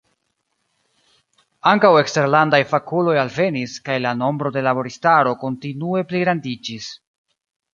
Ankaŭ eksterlandaj fakuloj alvenis, kaj la nombro de laboristaro kontinue pligrandiĝis.